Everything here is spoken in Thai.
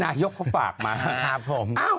นายกเขาฝากมาครับผม